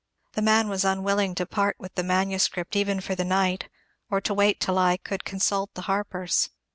The man was onwilling to part with the manuscript even for the night, or to wait till I ooold con sult the Harpers.